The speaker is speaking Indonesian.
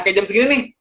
kayak jam segini nih